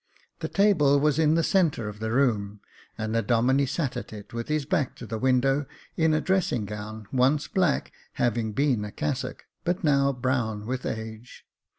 The table was in the centre of the room, and the Domine sat at it, with his back to the window, in a dressing gown, once black, having been a cassock, but now brown with age.